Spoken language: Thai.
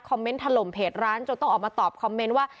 เมนต์ถล่มเพจร้านจนต้องออกมาตอบคอมเมนต์ว่า